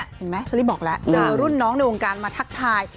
มันมีรุ่นน้องในองค์การมาทักทาย